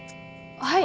はい。